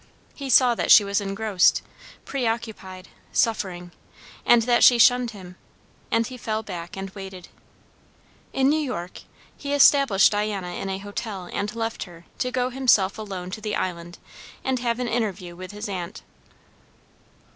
He saw that she was engrossed, preoccupied, suffering, and that she shunned him; and he fell back and waited. In New York, he established Diana in a hotel and left her, to go himself alone to the Island and have an interview with his aunt.